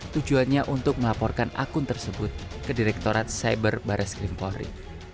tujuannya untuk melaporkan akun tersebut ke direktorat cyber baris krim polri